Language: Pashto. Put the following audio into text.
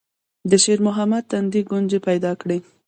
د شېرمحمد تندي ګونځې پيدا کړې.